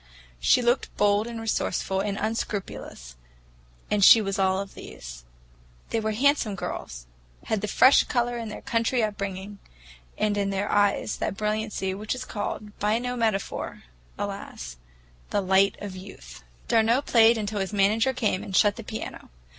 She looked bold and resourceful and unscrupulous, and she was all of these. They were handsome girls, had the fresh color of their country up bringing, and in their eyes that brilliancy which is called,—by no metaphor, alas!—"the light of youth." D'Arnault played until his manager came and shut the piano.